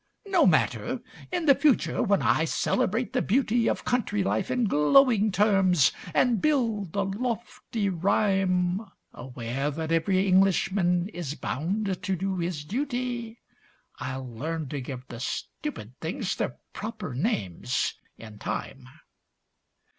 No matter; in the future, when I celebrate the beauty Of country life in glowing terms, and "build the lofty rhyme" Aware that every Englishman is bound to do his duty, I'll learn to give the stupid things their proper names in time!